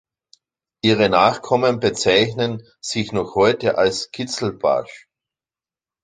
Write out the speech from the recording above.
Ihre Nachkommen bezeichnen sich noch heute als "Kizilbasch".